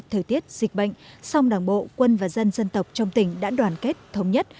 thời tiết dịch bệnh song đảng bộ quân và dân dân tộc trong tỉnh đã đoàn kết thống nhất